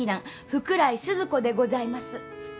福来スズ子でございます。